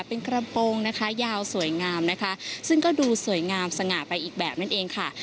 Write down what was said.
เป็นกระโปรงนะคะยาวสวยงามนะคะซึ่งก็ดูสวยงามสง่าไปอีกแบบนั่นเองค่ะ